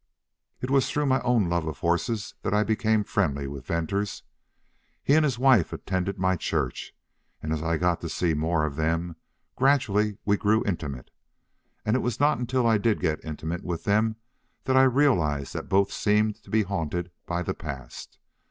"It was through my own love of horses that I became friendly with Venters. He and his wife attended my church, and as I got to see more of them, gradually we grew intimate. And it was not until I did get intimate with them that I realized that both seemed to be haunted by the past.